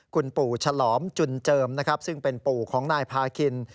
คุณปู่ฉลอมจุนเจิมนะครับซึ่งเป็นปู่ของนายพาคิน